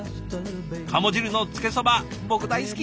カモ汁のつけそば僕大好き。